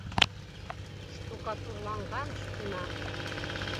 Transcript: Штукатурланған стена